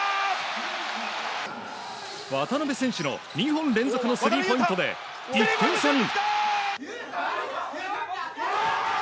渡邊選手の２本連続のスリーポイントで１点差に。